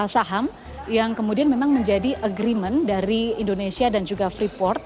saham yang kemudian memang menjadi agreement dari indonesia dan juga freeport